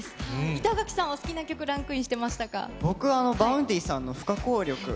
板垣さんはお好きな曲、僕は、Ｖａｕｎｄｙさんの不可幸力。